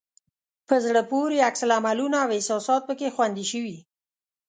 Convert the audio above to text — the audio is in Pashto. په زړه پورې عکس العملونه او احساسات پکې خوندي شوي.